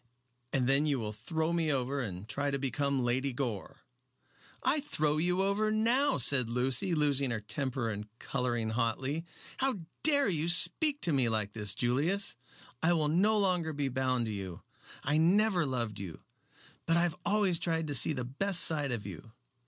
"And then you will throw me over and try to become Lady Gore." "I throw you over now," said Lucy, losing her temper and coloring hotly. "How dare you speak to me like this, Julius! I will no longer be bound to you. I never loved you, but I have always tried to see the best side of you.